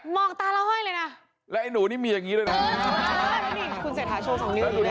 มอกตาเราให้เลยน่ะแล้วไอหนูนี่มีอย่างงี้ด้วยนะคุณเสร็จหาโชว์สองนิ้วอีกแล้ว